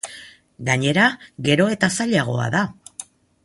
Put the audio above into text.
Gainera, gero eta zailagoa da.